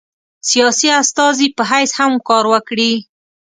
سیاسي استازي په حیث هم کار وکړي.